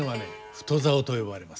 太棹と呼ばれます。